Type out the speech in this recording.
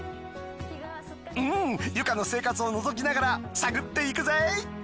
うんユカの生活をのぞきながら探っていくぜ。